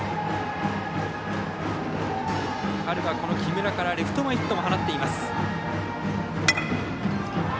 春は木村から、レフト前ヒットも放っています。